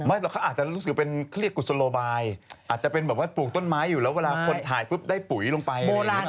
เขาอาจจะรู้สึกเป็นเรียกกุศโลบายอาจจะเป็นแบบว่าปลูกต้นไม้อยู่แล้วเวลาคนถ่ายปุ๊บได้ปุ๋ยลงไป